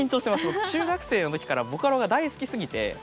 僕中学生の時からボカロが大好きすぎて。